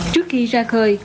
trước khi ra khơi